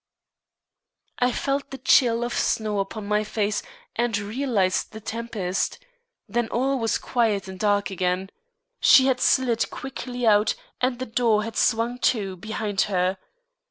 I felt the chill of snow upon my face, and realised the tempest. Then all was quiet and dark again. She had slid quickly out and the door had swung to behind her.